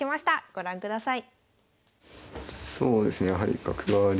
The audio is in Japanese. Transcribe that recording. ご覧ください。